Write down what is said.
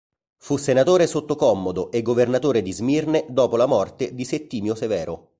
Fu senatore sotto Commodo e governatore di Smirne dopo la morte di Settimio Severo.